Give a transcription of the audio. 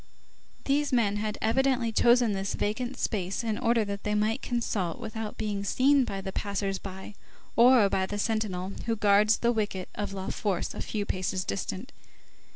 These men had evidently chosen this vacant space in order that they might consult without being seen by the passers by or by the sentinel who guards the wicket of La Force a few paces distant.